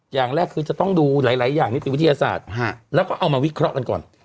อย่างแรกคือจะต้องดูหลายอย่างนิติวิทยาศาสตร์แล้วก็เอามาวิเคราะห์กันก่อน